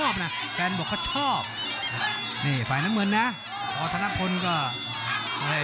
แฟนบ่วก็ชอบเนี่ย